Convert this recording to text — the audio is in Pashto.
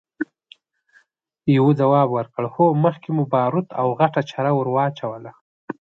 يوه ځواب ورکړ! هو، مخکې مو باروت او غټه چره ور واچوله!